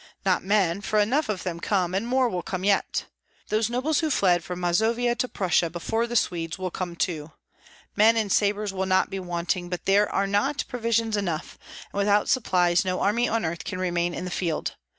Not men, for enough of them come, and more will come yet. Those nobles who fled from Mazovia to Prussia before the Swedes, will come too. Men and sabres will not be wanting; but there are not provisions enough, and without supplies no army on earth can remain in the field.